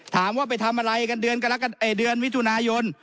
ถามว่าไปทำอะไรกันเดือนมิถุนายน